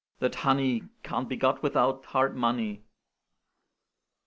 that honey Can't be got without hard money!